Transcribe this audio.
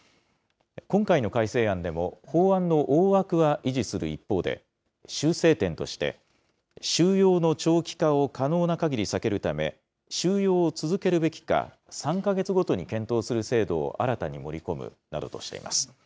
今回の改正案でも法案の大枠は維持する一方で、修正点として、収容の長期化を可能なかぎり避けるため、収容を続けるべきか３か月ごとに検討する制度を新たに盛り込むなどとしています。